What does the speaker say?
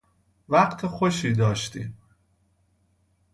وقت خوشی داشتیم